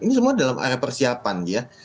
ini semua dalam area persiapan ya